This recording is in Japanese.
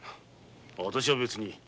私は別に。